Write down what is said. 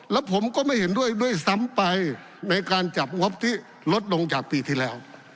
แล้วผมก็ไม่เห็นด้วยด้วยซ้ำไปในการจับงบที่ลดลงจากปีที่แล้ว